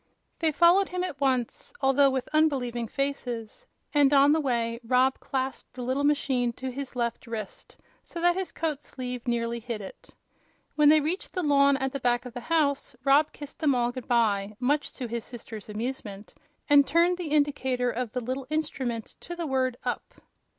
They followed him at once, although with unbelieving faces, and on the way Rob clasped the little machine to his left wrist, so that his coat sleeve nearly hid it. When they reached the lawn at the back of the house Rob kissed them all good by, much to his sisters' amusement, and turned the indicator of the little instrument to the word "up."